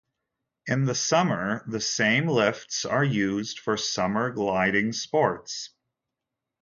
In the summer, the same lifts are used for summer gliding sports.